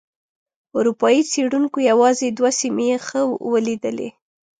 اروپایي څېړونکو یوازې دوه سیمې ښه ولیدلې.